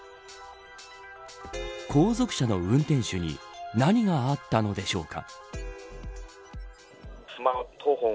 後続車の運転手に何があったのでしょうか。